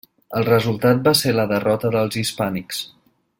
El resultat va ser la derrota dels hispànics.